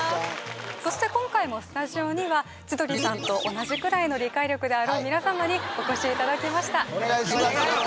そして今回もスタジオには千鳥さんと同じくらいの理解力であるみなさまにお越しいただきましたお願いします